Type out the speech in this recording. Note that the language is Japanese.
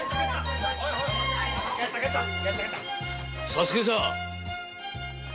佐助さん！